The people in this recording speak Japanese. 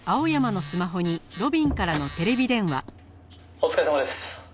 「お疲れさまです」